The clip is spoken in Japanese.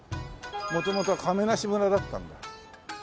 元々は亀無村だったんだ。